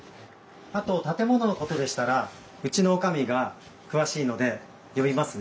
あと建物のことでしたらうちの女将が詳しいので呼びますね。